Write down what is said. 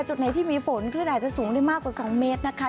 จุดไหนที่มีฝนคลื่นอาจจะสูงได้มากกว่า๒เมตรนะคะ